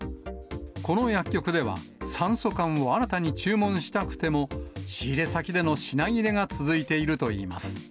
この薬局では、酸素缶を新たに注文したくても、仕入れ先での品切れが続いているといいます。